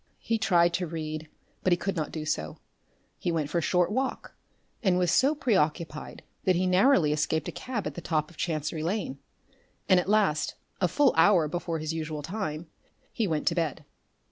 He tried to read, but he could not do so; he went for a short walk, and was so preoccupied that he narrowly escaped a cab at the top of Chancery Lane; and at last a full hour before his usual time he went to bed.